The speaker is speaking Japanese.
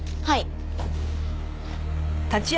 はい。